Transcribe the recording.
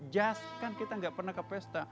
jazz kan kita gak pernah ke pesta